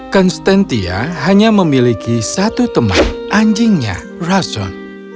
konstantia hanya memiliki satu teman anjingnya rason